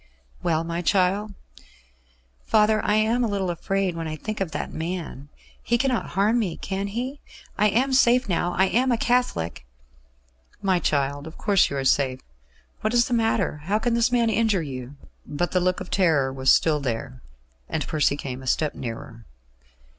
"Well, my child?" "Father, I am a little afraid when I think of that man. He cannot harm me, can he? I am safe now? I am a Catholic ?" "My child, of course you are safe. What is the matter? How can this man injure you?" But the look of terror was still there, and Percy came a step nearer.